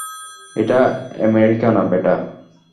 এটা আমেরিকা না, বেটা।